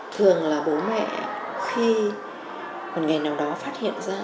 thường là bố mẹ khi một ngày nào đó phát hiện ra